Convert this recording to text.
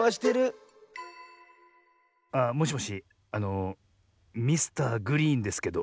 あもしもしあのミスターグリーンですけど。